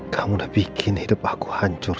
kamu udah bikin hidup aku hancur